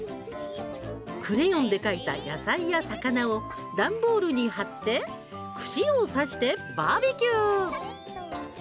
クレヨンで描いた野菜や魚を段ボールに貼って串を刺してバーベキュー。